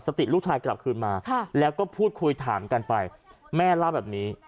สติลูกชายกลับคืนมาแล้วก็พูดคุยถามกันไปแม่เล่าแบบนี้